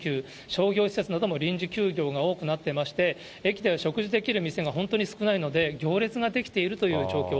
商業施設なども臨時休業が多くなっていまして、駅では食事できる店が本当に少ないので、行列が出来ているという状況。